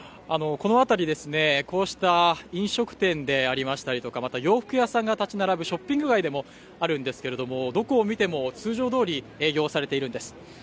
この辺りですねこうした飲食店でありましたりとかまた洋服屋さんが立ち並ぶショッピング街でもあるんですけれども、どこを見ても通常通り営業されているんです。